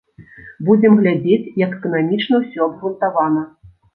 Будзем глядзець, як эканамічна ўсё абгрунтавана.